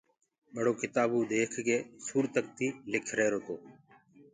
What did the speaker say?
ٻڙو ڪتآبوُ ديک ڪي سورتڪتيٚ لک ريهرو تو